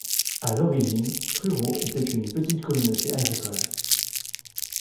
À l'origine, Truro était une petite communauté agricole.